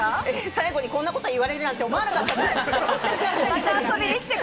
最後に、こんなこと言われるなんて思わなかったです。